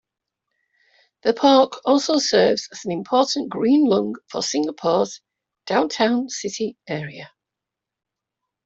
The park also serves as an important green lung for Singapore's downtown city area.